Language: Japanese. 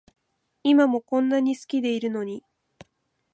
今もこんなに好きでいるのに